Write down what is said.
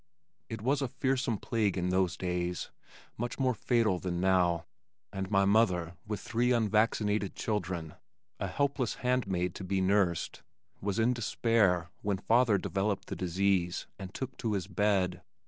It was a fearsome plague in those days, much more fatal than now, and my mother with three unvaccinated children, a helpless handmaid to be nursed, was in despair when father developed the disease and took to his bed.